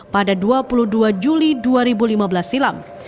pada dua puluh dua juli dua ribu lima belas silam